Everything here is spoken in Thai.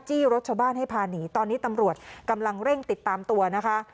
รถชาวบ้านให้พาหนีตอนนี้ตำรวจกำลังเร่งติดตามตัวนะคะ